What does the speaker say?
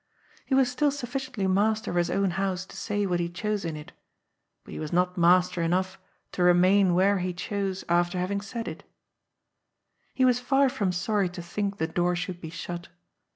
He was still sufSciently master of his own house to say what he chose in it. But he was not master enough to remain where he chose, after haying said it He was far from sorry to think the door should be shut.